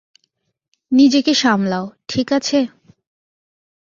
নিজেকে সামলাও, ঠিক আছে?